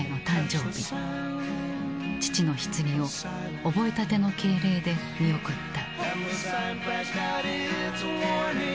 父のひつぎを覚えたての敬礼で見送った。